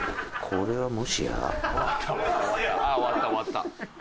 これはもしや？